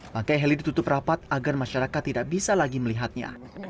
bangkai heli ditutup rapat agar masyarakat tidak bisa lagi melihatnya